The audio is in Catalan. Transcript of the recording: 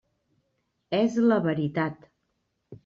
És la veritat.